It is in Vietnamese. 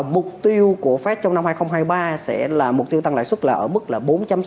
mục tiêu của fed trong năm hai nghìn hai mươi ba sẽ là mục tiêu tăng lãi suất là ở mức là bốn